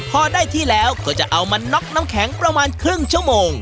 พอได้ที่แล้วก็จะเอามาน็อกน้ำแข็งประมาณครึ่งชั่วโมง